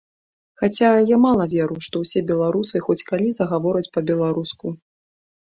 Хаця, я мала веру, што ўсе беларусы хоць калі загавораць па-беларуску.